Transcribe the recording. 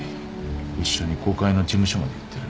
一緒に５階の事務所まで行ってる。